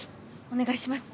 お願いします。